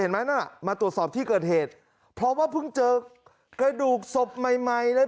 นั่นน่ะมาตรวจสอบที่เกิดเหตุเพราะว่าเพิ่งเจอกระดูกศพใหม่ใหม่เลย